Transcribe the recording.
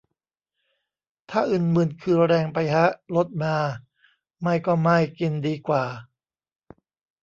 ถ้าอึนมึนคือแรงไปฮะ ลดมา ไม่ก็ไม่กินดีกว่า